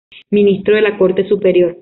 Ministro de la Corte Superior.